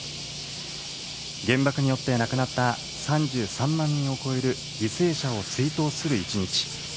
原爆によって亡くなった３３万人を超える犠牲者を追悼する一日。